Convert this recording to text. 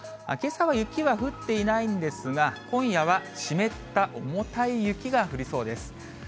けさは雪は降っていないんですが、今夜は湿った重たい雪が降りそうです。